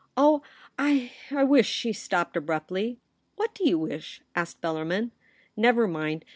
Oh ! I wish ' she stopped abruptly. ' What do you wish ?' asked Bellarmin. * Never mind.